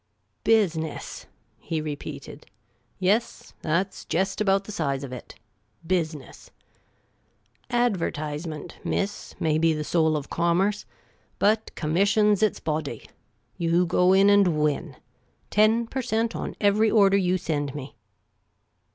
" Business ?" he repeated. " Yes, that 's jest about the size of it — business. Adver//.S(fment, miss, may be the soul of commerce, but commission 's its body. You go in and win. Ten per cent, on every order you send me